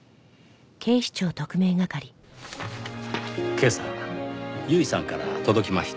今朝由衣さんから届きました。